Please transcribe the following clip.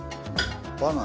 「バナナ？」